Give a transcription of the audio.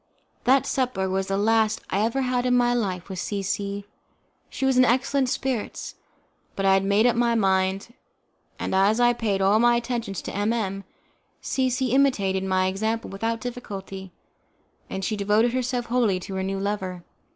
That supper was the last I ever had in my life with C C . She was in excellent spirits, but I had made up my mind, and as I paid all my attentions to M M , C C imitated my example without difficulty, and she devoted herself wholly to her new lover.